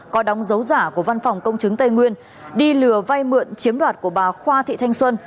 có đóng dấu giả của văn phòng công chứng tây nguyên đi lừa vay mượn chiếm đoạt của bà khoa thị thanh xuân